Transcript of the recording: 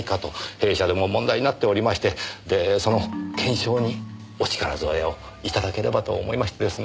弊社でも問題になっておりましてでその検証にお力添えを頂ければと思いましてですね